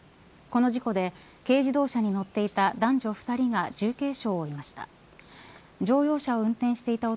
この事故で軽自動車に乗っていた男女２人が重軽傷を負いました。